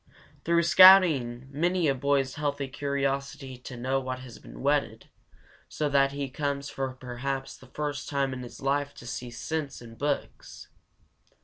Through scouting many a boy's healthy curiosity to know has been whetted, so that he comes for perhaps the first time in his life to see "sense" in books.